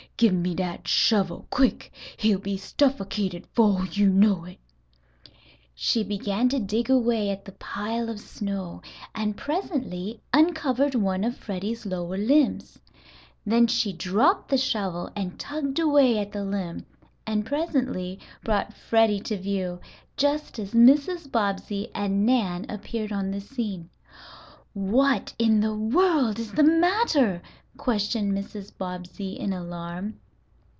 "Gib me dat shovel quick! He'll be stuffocated fo' yo' know it." [Illustration: "DAT CHILE DUN GWINE AN' BURIED HIMSELF ALIVE." P. 53.] She began to dig away at the pile of snow, and presently uncovered one of Freddie's lower limbs. Then she dropped the shovel and tugged away at the limb and presently brought Freddie to view, just as Mrs. Bobbsey and Nan appeared on the scene. "What in the world is the matter?" questioned Mrs. Bobbsey, in alarm.